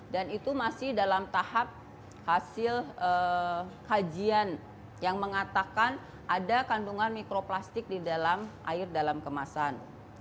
dan itu masih dalam tahap hasil kajian yang mengatakan ada kandungan mikroplastik di dalam air dalam kemasan